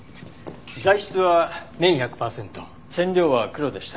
材質は綿１００パーセント染料は黒でした。